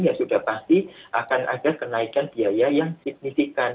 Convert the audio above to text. ya sudah pasti akan ada kenaikan biaya yang signifikan